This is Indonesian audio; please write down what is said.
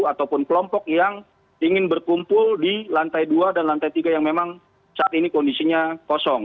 ataupun kelompok yang ingin berkumpul di lantai dua dan lantai tiga yang memang saat ini kondisinya kosong